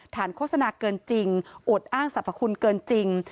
โฆษณาเกินจริงอดอ้างสรรพคุณเกินจริง